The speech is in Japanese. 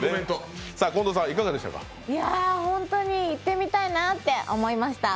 本当に行ってみたいなって思いました。